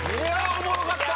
おもろかった。